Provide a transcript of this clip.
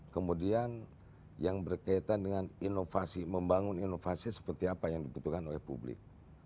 kemudian yang berkaitan dengan inovasi membangun inovasi seperti apa yang dibutuhkan oleh publik